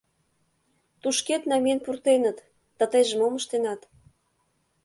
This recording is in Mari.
— Тушкет намиен пуртеныт, да тыйже мом ыштенат?